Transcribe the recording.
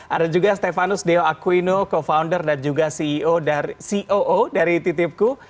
ada juga stefanus deo aquino co founder dan juga ceo dari titipku